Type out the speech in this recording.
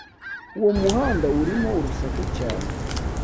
Uwo muhanda urimo urusaku cyane.